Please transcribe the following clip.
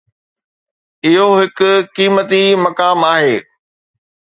اهو هڪ قيمتي مقام آهي.